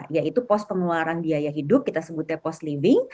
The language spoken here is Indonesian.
yaitu pos pengeluaran biaya hidup kita sebutnya post living